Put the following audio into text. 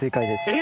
え‼